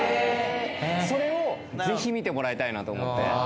それをぜひ見てもらいたいなと思って。